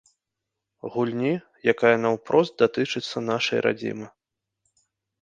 Гульні, якая наўпрост датычыцца нашай радзімы.